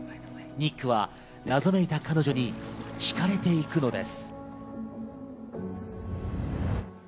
ニックは謎めいた彼女に惹かれていくのです。